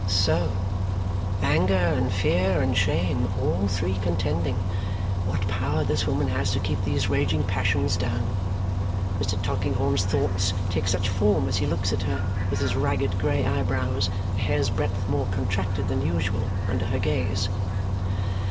So! Anger, and fear, and shame. All three contending. What power this woman has to keep these raging passions down! Mr. Tulkinghorn's thoughts take such form as he looks at her, with his ragged grey eyebrows a hair's breadth more contracted than usual under her gaze.